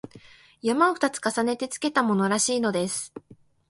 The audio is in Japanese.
「山」を二つ重ねてつけたものらしいのです